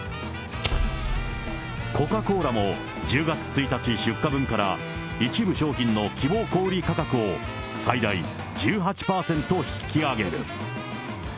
コカ・コーラも１０月１日出荷分から、一部商品の希望小売り価格を最大１８％引き上げる。